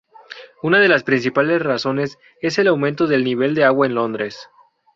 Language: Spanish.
Una de las principales razones es el aumento del nivel de agua en Londres.